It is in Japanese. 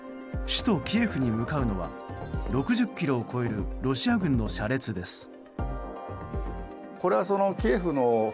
首都キエフに向かうのは６０ｋｍを超えるロシア軍の車列です。